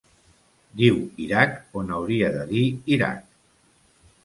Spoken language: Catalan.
Diu ‘Irak’ on hauria de dir ‘Iraq’.